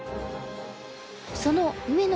その上野